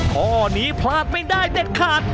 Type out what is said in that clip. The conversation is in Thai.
ข้อนี้พลาดไม่ได้เด็ดขาด